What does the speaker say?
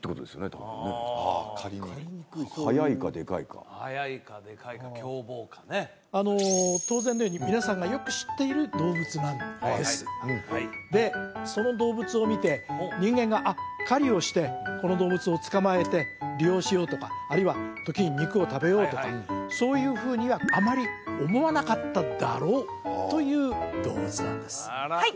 多分ね狩りにくい速いかでかいか速いかでかいか凶暴かね当然のように皆さんがよく知っている動物なんですでその動物を見て人間が狩りをしてこの動物を捕まえて利用しようとかあるいは時に肉を食べようとかそういうふうにはあまり思わなかっただろうという動物なんですはい